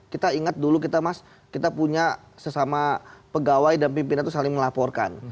kita ingat dulu kita mas kita punya sesama pegawai dan pimpinan itu saling melaporkan